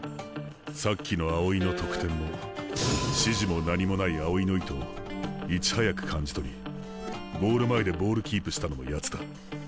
さっきの青井の得点も指示も何もない青井の意図をいち早く感じ取りゴール前でボールキープしたのもやつだ。